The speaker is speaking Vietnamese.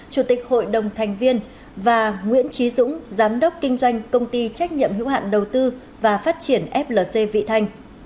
chủ tịch hội đồng thành viên và nguyễn trí dũng giám đốc kinh doanh công ty trách nhiệm hữu hạn đầu tư và phát triển flc vị thanh